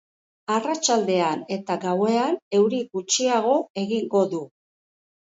Arratsaldean eta gauean euri gutxiago egingo du.